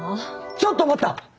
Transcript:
ちょっと待った！